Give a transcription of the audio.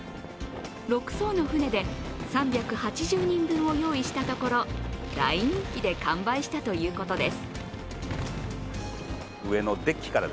６そうの船で３８０人分を用意したところ、大人気で、完売したということです